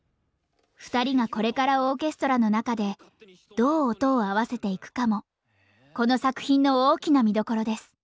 ２人がこれからオーケストラの中でどう音を合わせていくかもこの作品の大きな見どころです。